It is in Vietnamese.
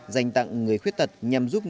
dành tặng người khuyết tật nhằm giúp